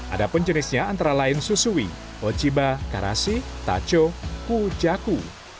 ada pun jenisnya antara lain susui ojiba karasi taco kujaku